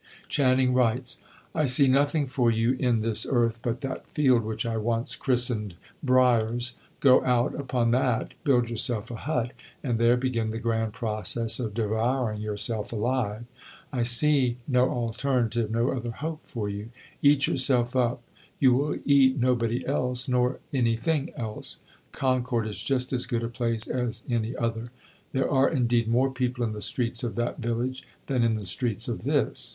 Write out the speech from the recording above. Channing writes: "I see nothing for you in this earth but that field which I once christened 'Briars;' go out upon that, build yourself a hut, and there begin the grand process of devouring yourself alive. I see no alternative, no other hope for you. Eat yourself up; you will eat nobody else, nor anything else. Concord is just as good a place as any other; there are, indeed, more people in the streets of that village than in the streets of this."